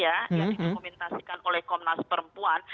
yang didokumentasikan oleh komnas perempuan